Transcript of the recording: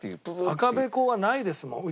赤べこはないですもん。